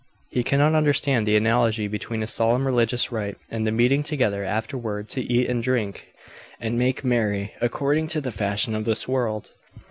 He cannot understand the analogy between a solemn religious rite and the meeting together afterward to eat and drink and make merry, according to the fashion of this world."